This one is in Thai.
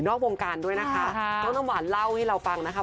นอกวงการด้วยนะหน้าหู้ว่าเล่าที่เราปัญหา